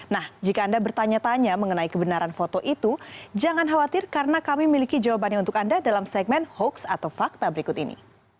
nah jika anda bertanya tanya mengenai kebenaran foto itu jangan khawatir karena kami miliki jawabannya untuk anda dalam segmen hoax atau fakta berikut ini